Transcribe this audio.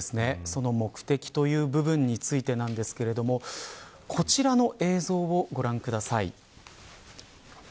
その目的という部分についてなんですがこちらの映像をご覧ください。